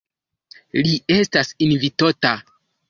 Li estas invitota.